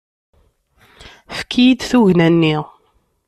Efk-iyi-d tugna-nni.